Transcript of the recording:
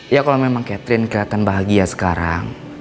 ya kalo memang catherine keliatan bahagia sekarang